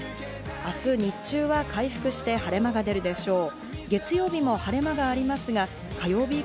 明日、日中は回復して、晴れ間が出るでしょう。